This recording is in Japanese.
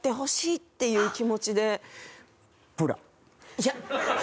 いや。